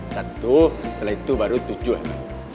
satu setelah itu baru tujuan